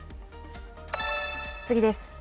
次です。